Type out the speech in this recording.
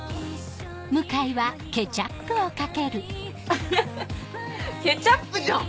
アハハケチャップじゃん！